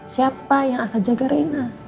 siapa yang akan jaga reina